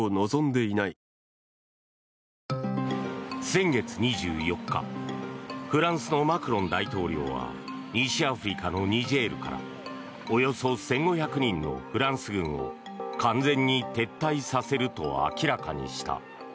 先月２４日、フランスのマクロン大統領は西アフリカのニジェールからおよそ１５００人のフランス軍を完全に撤退させると明らかにした。